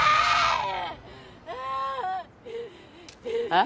ああ。